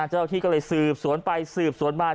เจ้าหน้าที่ก็เลยสืบสวนไปสืบสวนมา